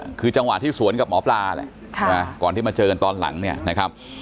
คือจังหวะที่สวนกับหมอปลาแหละก่อนที่มาเจอกันตอนหลังเนี่ยนะครับ